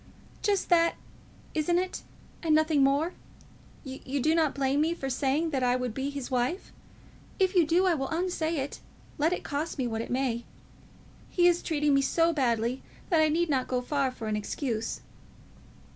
"Just that; isn't it? and nothing more. You do not blame me for saying that I would be his wife? If you do, I will unsay it, let it cost me what it may. He is treating me so badly that I need not go far for an excuse."